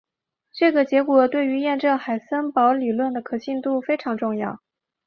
这个结果对于验证海森堡理论的可信度非常重要。